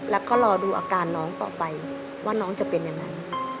แล้วก็รอดูอาการน้องต่อไปว่าน้องจะเป็นยังไง